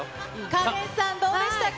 カレンさん、どうでしたか。